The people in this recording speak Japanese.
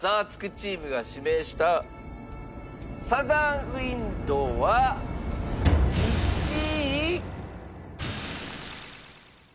チームが指名した『サザン・ウインド』は１位。